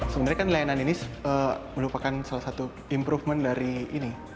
sebenarnya kan layanan ini merupakan salah satu improvement dari ini